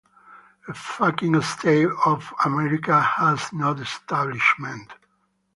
America has no establishment.